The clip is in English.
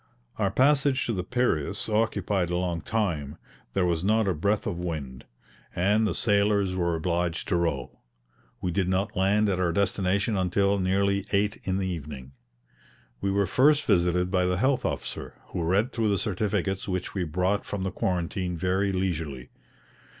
Our passage to the Piraeus occupied a long time. There was not a breath of wind, and the sailors were obliged to row; we did not land at our destination until nearly 8 in the evening. We were first visited by the health officer, who read through the certificates which we brought from the quarantine very leisurely.